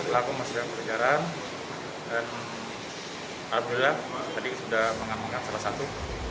dan alhamdulillah tadi sudah mengamankan salah satu